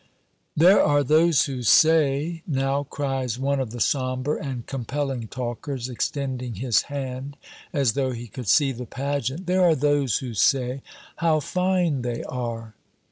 "There are those who say," now cries one of the somber and compelling talkers, extending his hand as though he could see the pageant, "there are those who say, 'How fine they are!'"